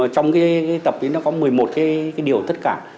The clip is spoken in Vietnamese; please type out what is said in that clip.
trong cái tập thì nó có một mươi một cái điều tất cả